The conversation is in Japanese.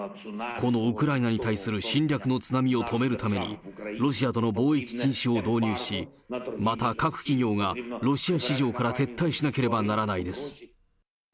このウクライナに対する侵略の津波を止めるためにロシアとの貿易禁止を導入し、また各企業がロシア市場から撤退しなければならないです。